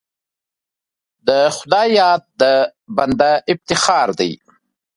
د خدای یاد د بنده افتخار دی.